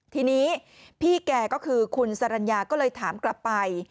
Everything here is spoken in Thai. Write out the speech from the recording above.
ทีนี้พี่แกก็คือคุณสรรญาก็เลยถามกลับไป